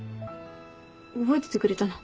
覚えててくれたの？